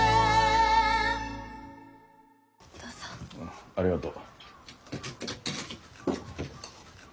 ああありがとう。